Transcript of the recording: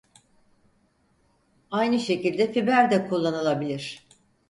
Aynı şekilde fiber de kullanılabilir.